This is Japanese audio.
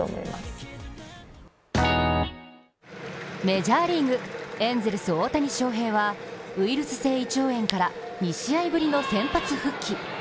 メジャーリーグ、エンゼルス・大谷翔平はウイルス性胃腸炎から２試合ぶりの先発復帰。